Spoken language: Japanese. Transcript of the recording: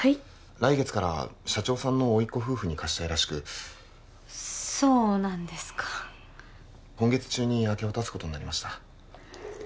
来月から社長さんの甥っ子夫婦に貸したいらしくそうなんですか今月中に明け渡すことになりました